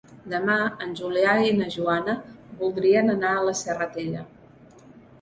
Demà en Julià i na Joana voldrien anar a la Serratella.